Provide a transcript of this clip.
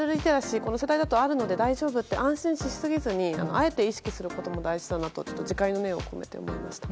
この世代だとあるので大丈夫だと安心しすぎずにあえて意識することも大事だなと自戒の念を込めて思いました。